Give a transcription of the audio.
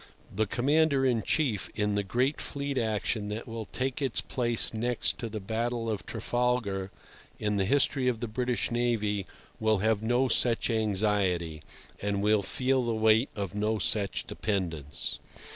The Commander in Chief in the great fleet action that will take its place next to the Battle of Trafalgar in the history of the British navy will have no such anxiety, and will feel the weight of no such dependence.